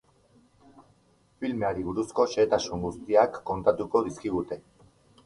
Filmeari buruzko xehetasun guztiak kontatuko dizkigute.